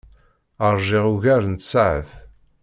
Ṛjiɣ ugar n tsaɛet.